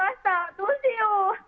どうしよう。